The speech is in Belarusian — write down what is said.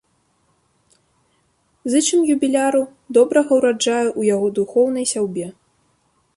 Зычым юбіляру добрага ўраджаю ў яго духоўнай сяўбе!